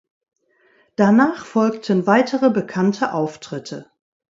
Danach folgten weitere bekannte Auftritte.